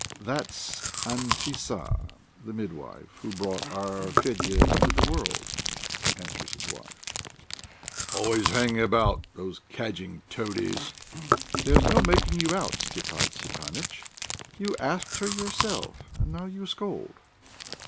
"That's Anfissa, the midwife who brought our Fedya into the world," answers his wife. "Always hanging about ... these cadging toadies!" "There's no making you out, Stepan Stepanitch. You asked her yourself, and now you scold."